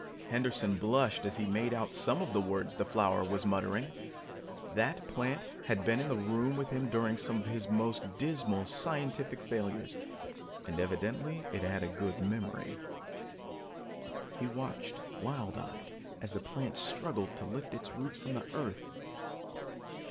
Henderson blushed as he made out some of the words the flower was muttering. That plant had been in the room with him during some of his most dismal scientific failures, and it evidently had a good memory. He watched wild eyed as the plant struggled to lift its roots from the earth